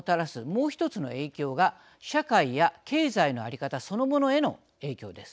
もう一つの影響が社会や経済の在り方そのものへの影響です。